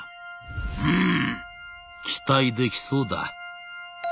うん期待できそうだ」。